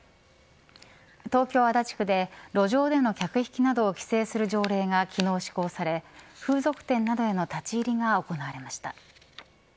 東京、足立区で路上での客引きなどを規制する条例が昨日、施行され風俗店などへの立ち入りが行われました。